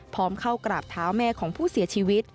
พร้อมเข้ากราบเท้าแม่ของผู้เสียชีวิต